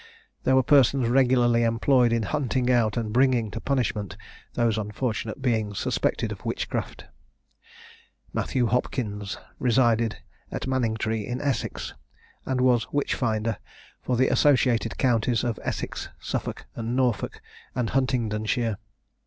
There were persons regularly employed in hunting out, and bringing to punishment, those unfortunate beings suspected of witchcraft. Matthew Hopkins resided at Manningtree, in Essex, and was witch finder for the associated counties of Essex, Suffolk, Norfolk, and Huntingdonshire.